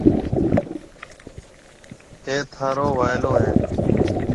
اي ٿارو وائيلو هيَ۔